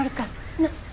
なっ？